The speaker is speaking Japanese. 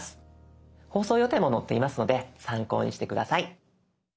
放送予定も載っていますので参考にして下さい。